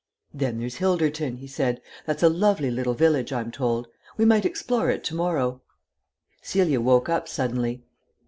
"Then there's Hilderton," he said; "that's a lovely little village, I'm told. We might explore it to morrow." Celia woke up suddenly.